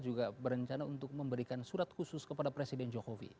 juga berencana untuk memberikan surat khusus kepada presiden jokowi